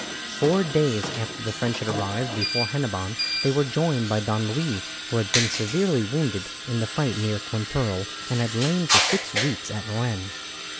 Four days after the French had arrived before Hennebon they were joined by Don Louis, who had been severely wounded in the fight near Quimperle, and had lain for six weeks at Rennes.